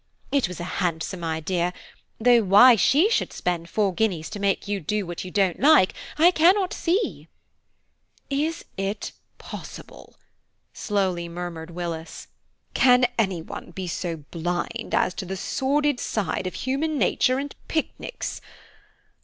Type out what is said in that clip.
It was a handsome idea; though why she should spend four guineas to make you do what you don't like, I cannot see." "Is it possible?" slowly murmured Willis, "can any one be so blind to the sordid side of human nature and picnics?